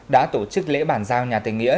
đã tổ chức lễ bản giao nhà tình nghĩa